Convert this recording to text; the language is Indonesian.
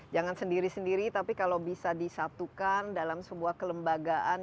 jangan sendiri sendiri tapi kalau bisa disatukan dalam sebuah kelembagaan